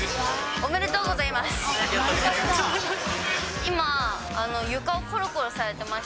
おめでとうございます。